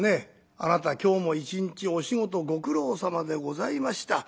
『あなた今日も一日お仕事ご苦労さまでございました。